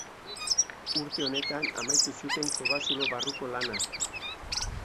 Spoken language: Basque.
Urte honetan amaitu zuten kobazulo barruko lana.